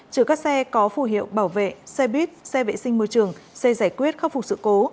chứa các xe có phù hiệu bảo vệ xe buýt xe vệ sinh môi trường xe giải quyết khắc phục sự cố